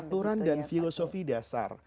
aturan dan filosofi dasar